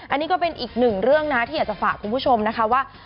อันนี้ก็เป็นอีกหนึ่งเรื่องนะที่อยากจะฝากคุณผู้ชมนะคะว่า